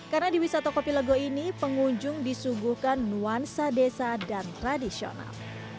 karena di wisata kopi legu ini pengunjung disuguhkan nuansa desa dan tradisional